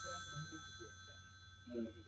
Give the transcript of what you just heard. আপনি রাস্তা না চিনলে, অন্য কাউকে জিজ্ঞেস করে নিন।